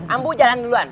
ambo jalan duluan